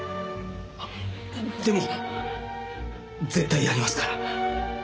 でも絶対やりますから。